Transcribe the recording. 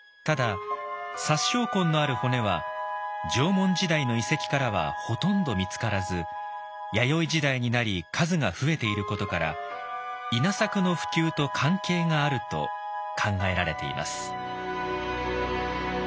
ただ殺傷痕のある骨は縄文時代の遺跡からはほとんど見つからず弥生時代になり数が増えていることから稲作の普及と関係があると考えられています。